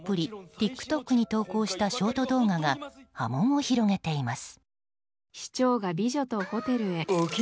ＴｉｋＴｏｋに投稿したショート動画が波紋を広げています。